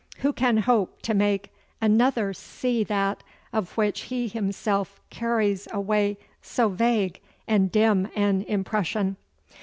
Who can hope to make another see that of which he himself carries away so vague and dim an impression?